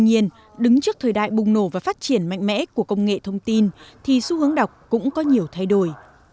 nhưng trước thời đại bùng nổ và phát triển mạnh mẽ của công nghệ thông tin thì xu hướng đọc cũng có nhiều thay đổi